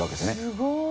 すごい！